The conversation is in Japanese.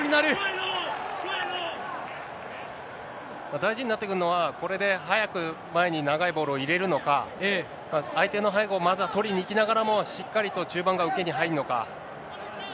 大事になってくるのは、これで速く前に長いボールを入れるのか、相手の背後をまずは取りに行きながらも、しっかりと中盤が受けに入るのか。